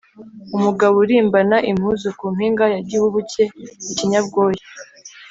Umugabo urimbana impuzu ku mpinga ya Gihubuke.-Ikinyabwoya.